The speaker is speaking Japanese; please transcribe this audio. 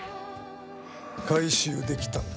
回収できたんだ。